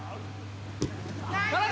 田中！